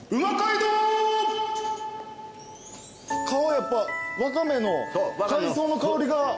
皮やっぱワカメの海藻の香りが。